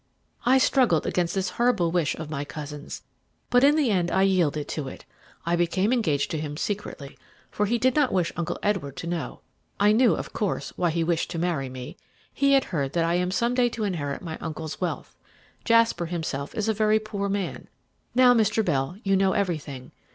"I struggled against this horrible wish of my cousin's, but in the end I yielded to it. I became engaged to him secretly, for he did not wish Uncle Edward to know. I knew, of course, why he wished to marry me; he had heard that I am some day to inherit my uncle's wealth. Jasper himself is a very poor man. Now, Mr. Bell, you know everything.